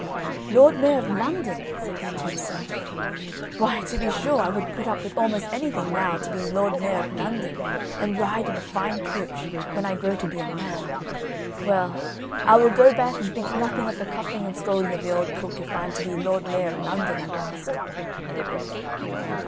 "Lord Mayor of London!" said he to himself. "Why, to be sure, I would put up with almost anything now, to be Lord Mayor of London, and ride in a fine coach, when I grow to be a man! Well, I will go back, and think nothing of the cuffing and scolding of the old cook, if I am to be Lord Mayor of London at last."